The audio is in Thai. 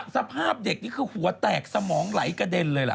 สภาพเด็กนี่คือหัวแตกสมองไหลกระเด็นเลยล่ะ